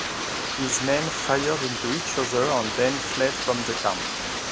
His men fired into each other and then fled from the camp.